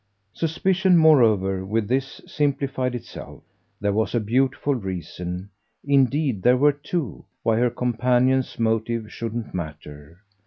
Suspicion moreover, with this, simplified itself: there was a beautiful reason indeed there were two why her companion's motive shouldn't matter.